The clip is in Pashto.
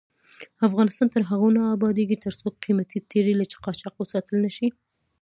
افغانستان تر هغو نه ابادیږي، ترڅو قیمتي تیږې له قاچاق وساتل نشي.